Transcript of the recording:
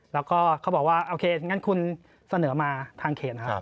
แล้วก็เขาบอกว่าโอเคงั้นคุณเสนอมาทางเขตนะครับ